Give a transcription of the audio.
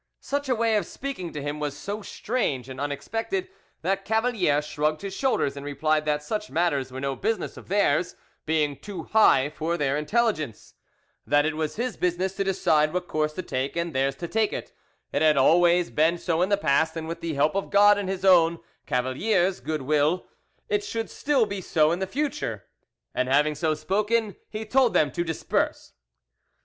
Such a way of speaking to him was so strange and unexpected, that Cavalier shrugged his shoulders and replied that such matters were no business of theirs, being too high for their intelligence; that it was his business to decide what course to take and theirs to take it; it had always been so in the past, and with the help of God and his own, Cavalier's, goodwill, it should still be so in future; and having so spoken, he told them to disperse.